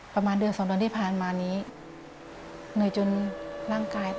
ประมาณ๒เดียวกันที่ผ่านมานึง